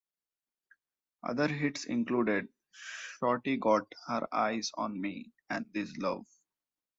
Other hits included "Shorty Got Her Eyes on Me" and "This Luv.